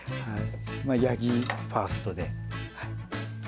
ヤギファーストで。